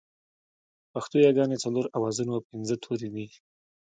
پښتو ياگانې څلور آوازونه او پينځه توري دي